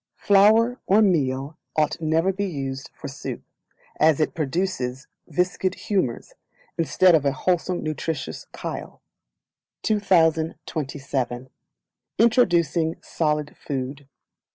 Flour or Meal ought never to be used for soup, as it produces viscid humours, instead of a wholesome nutritious chyle. 2027 Introducing Solid Food.